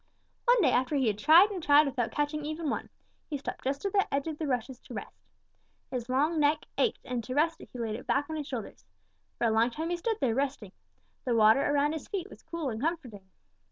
"One day after he had tried and tried without catching even one, he stopped just at the edge of the rushes to rest. His long neck ached, and to rest it he laid it back on his shoulders. For a long time he stood there, resting. The water around his feet was cool and comforting.